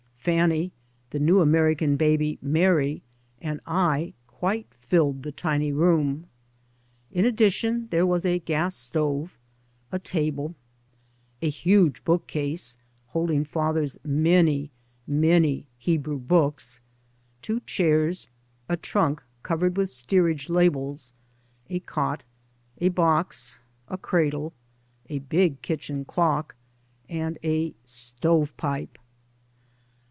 Fanny, the new American baby Mary, and I, quite filled the tiny room. In addition there were a gas stove, a table, a huge book case holding father's many, many Hebrew books, two chairs, a trunk covered with steerage labels, a cot, a box, a cradle, a big kitchen clock, and a stove pipe.